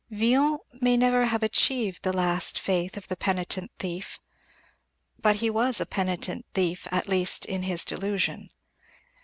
Villon may never have achieved the last faith of the penitent thief. But he was a penitent thief at least in his disillusion.